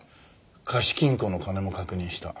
貸金庫の金も確認した。